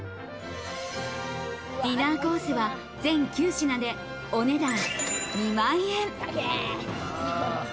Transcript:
ディナーコースは全９品でお値段２万円。